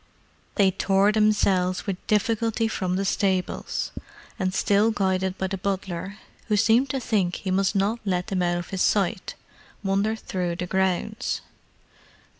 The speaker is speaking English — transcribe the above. They tore themselves with difficulty from the stables, and, still guided by the butler, who seemed to think he must not let them out of his sight, wandered through the grounds.